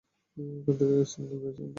ওখান থেকেই phone signal পেয়েছি আমরা।